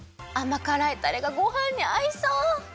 あまからいタレがごはんにあいそう！